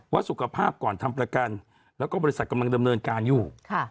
สุขภาพก่อนทำประกันแล้วก็บริษัทกำลังดำเนินการอยู่